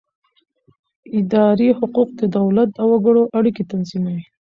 اداري حقوق د دولت او وګړو اړیکې تنظیموي.